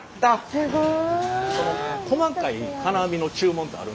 すごい。